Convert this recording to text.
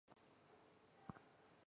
卡斯泰龙。